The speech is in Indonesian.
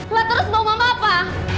lu terus bau emak apa